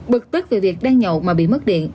bực tức về việc đang nhậu mà bị mất điện